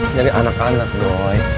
nyari anak anak doi